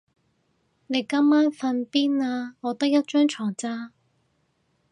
你今晚瞓邊啊？我得一張床咋